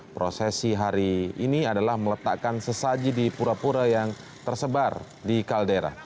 prosesi hari ini adalah meletakkan sesaji di pura pura yang tersebar di kaldera